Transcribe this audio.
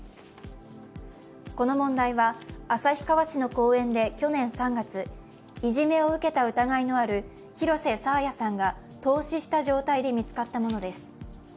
この問題は旭川市の公園で去年３月いじめを受けた疑いのある廣瀬爽彩さんが凍死した状態で見つかったものです。